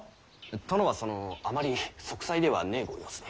殿はそのあまり息災ではねぇご様子で。